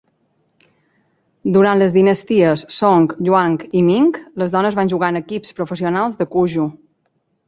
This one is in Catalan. Durant les dinasties Song, Yuan i Ming, les dones van jugar en equips professionals de Cuju.